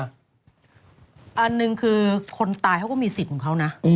อันหนึ่งคือคนตายเขาก็มีสิทธิ์ของเขานะ